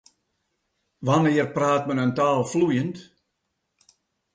Wannear praat men in taal floeiend?